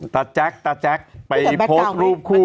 แจ๊กตาแจ๊กไปโพสต์รูปคู่